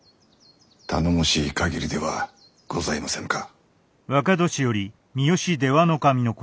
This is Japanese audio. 頼もしいかぎりではございませぬか。